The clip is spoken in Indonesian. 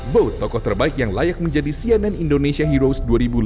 bo tokoh terbaik yang layak menjadi cnn indonesia heroes dua ribu lima belas